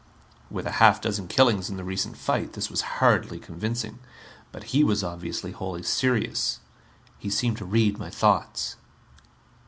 With a half dozen killings in the recent fight this was hardly convincing. But he was obviously wholly serious. He seemed to read my thoughts.